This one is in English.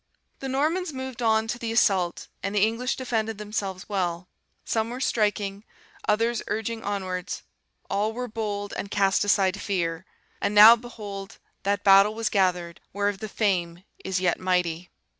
"The Normans moved on to the assault, and the English defended themselves well. Some were striking, others urging onwards; all were bold, and cast aside fear. And now, behold, that battle was gathered, whereof the fame is yet mighty.